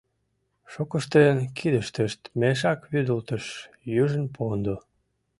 Шукыштын кидыштышт мешак вӱдылтыш, южын — пондо.